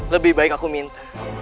lebih baik aku minta